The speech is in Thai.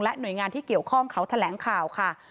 หน่วยงานที่เกี่ยวข้องเขาแถลงข่าวค่ะ